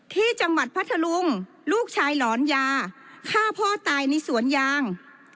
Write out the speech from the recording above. ที่จังหวัดพัทธลุงลูกชายหลอนยาฆ่าพ่อตายในสวนยาง